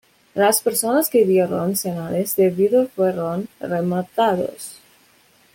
Las personas que dieron señales de vida fueron rematados.